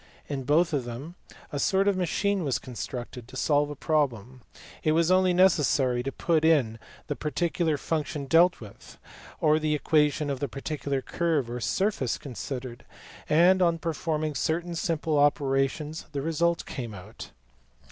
In both of them a sort of machine was constructed : to solve a problem, it was only necessary to put in the parti cular function dealt with, or the equation of the particular curve or surface considered, and on performing certain simple operations the result came out.